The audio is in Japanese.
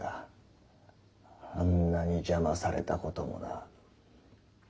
あんなにじゃまされたこともな。